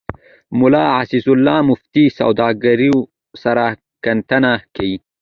ملا عزيزالله مصطفى سوداګرو سره کتنه کې